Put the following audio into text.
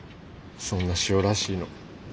そんなしおらしいの。